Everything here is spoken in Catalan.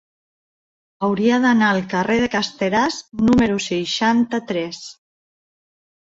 Hauria d'anar al carrer de Casteràs número seixanta-tres.